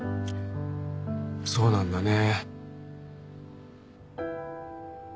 そうなんだね。